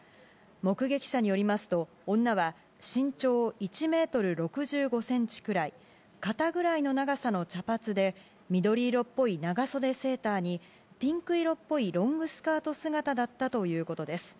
目撃者によりますと、女は身長１メートル６５センチくらい、肩ぐらいの長さの茶髪で緑色っぽい長袖セーターに、ピンク色っぽいロングスカート姿だったということです。